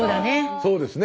そうですね。